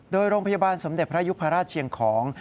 โดยโรงพยาบาลสมเด็จพระยุพราชเชียงของ